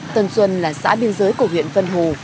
tân xuân là xã biên giới của huyện vân hồ